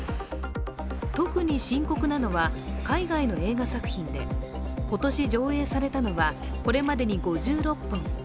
特に深刻なのは、海外の映画作品で今年上映されたのはこれまでに５６本。